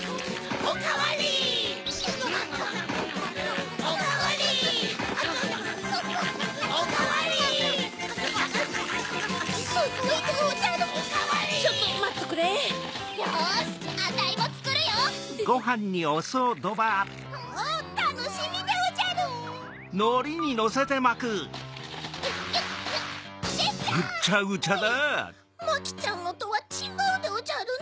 おやマキちゃんのとはちがうでおじゃるな。